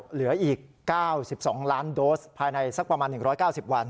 เหลืออีก๙๒ล้านโดสภายในสักประมาณ๑๙๐วัน